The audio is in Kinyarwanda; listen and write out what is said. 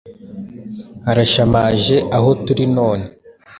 Harashamaje aho turi none,